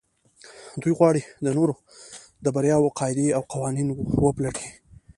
دوی غواړي د نورو د برياوو قاعدې او قوانين وپلټي.